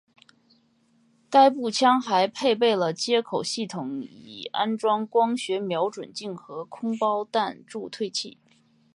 该步枪还配备了接口系统以安装光学瞄准镜和空包弹助退器。